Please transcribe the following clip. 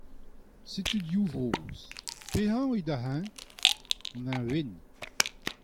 Setu div vrozh. Pehini eo da hini ? An hini wenn.